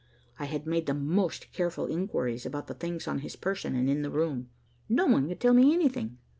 I had made the most careful inquiries about the things on his person and in the room. No one could tell me anything.